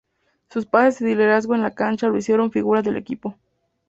Sus pases y liderazgo en la cancha lo hicieron figura del equipo.